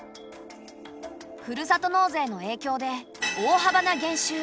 ふるさと納税の影響で大幅な減収。